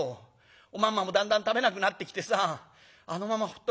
おまんまもだんだん食べなくなってきてさあのままほっ